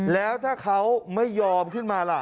แล้วถ้าเขาไม่ยอมขึ้นมาล่ะ